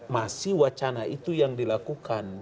masih wacana itu yang dilakukan